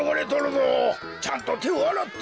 ちゃんとてをあらって。